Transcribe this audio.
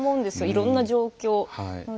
いろんな状況で。